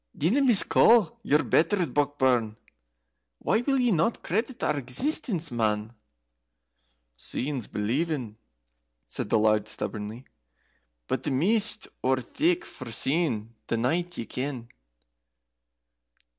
"Dinna miscall your betters, Brockburn: why will ye not credit our existence, man?" "Seein's believin'," said the Laird, stubbornly; "but the mist's ower thick for seein' the night, ye ken."